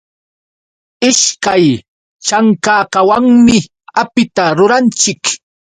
Ishkay chankakawanmi apita ruranchik.